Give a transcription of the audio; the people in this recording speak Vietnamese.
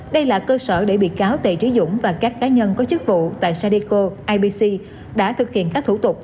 đây là cơ sở để bị cáo tề trí dũng và các cá nhân có chức vụ tại sadeco ibc đã thực hiện các thủ tục